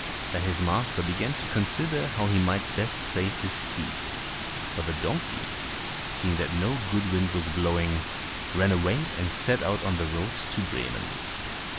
Then his master began to consider how he might best save his keep; but the donkey, seeing that no good wind was blowing, ran away and set out on the road to Bremen.